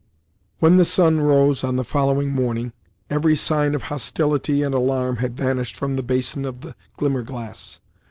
When the sun rose on the following morning, every sign of hostility and alarm had vanished from the basin of the Glimmerglass.